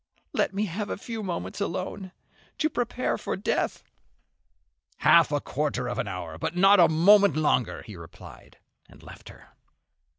"Let me have a few moments alone, to prepare for death," "Half a quarter of an hour, but not a moment longer," he replied, and left her.